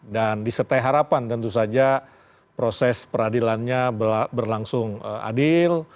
dan disertai harapan tentu saja proses peradilannya berlangsung adil